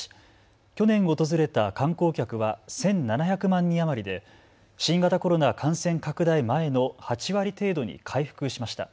去年訪れた観光客は１７００万人余りで新型コロナ感染拡大前の８割程度に回復しました。